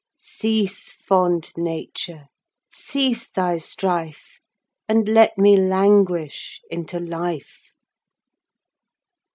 Cease, fond Nature, cease thy strife, 5 And let me languish into life.